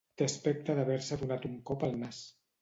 Té aspecte d'haver-se donat un cop al nas.